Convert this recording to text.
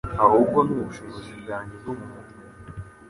ahubwo ni ubushobozi bwanjye bwo mu mutwe.”